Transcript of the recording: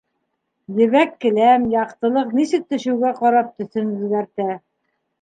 Ебәк келәм, яҡтылыҡ нисек төшөүгә ҡарап, төҫөн үҙгәртә.